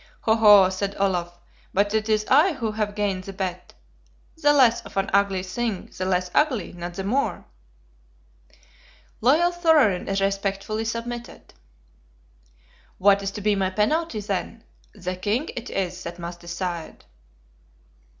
"Ho, ho!" said Olaf; "but it is I who have gained the bet. The less of an ugly thing the less ugly, not the more!" Loyal Thorarin respectfully submitted. "What is to be my penalty, then? The king it is that must decide."